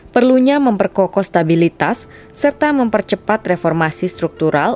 perlunya memperkokostabilitas serta mempercepat reformasi struktural